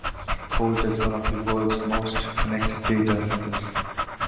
Colt is one of the world's most connected data centres.